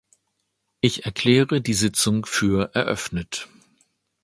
Ich erkläre die Sitzung für eröffnet.